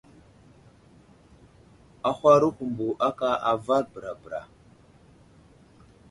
Ahwaro humbo aka avar bəra bəra.